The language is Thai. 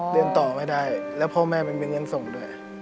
เรียนต่อไม่ได้แล้วพ่อแม่ไม่มีเงินส่งด้วย